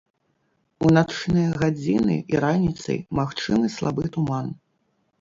У начныя гадзіны і раніцай магчымы слабы туман.